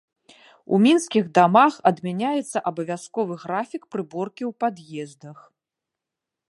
У мінскіх дамах адмяняецца абавязковы графік прыборкі ў пад'ездах.